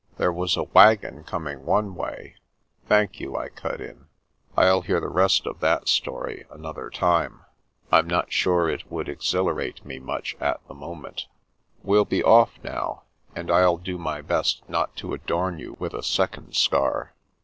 There was a wagon coming one way "" Thank you," I cut in, " Til hear the rest of that story another time. Fm not sure it would ex hilarate me much at the moment. We'll be oflF now, and I'll do my best not to adorn you with a second scar."